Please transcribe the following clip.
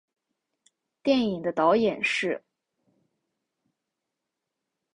电影的导演是。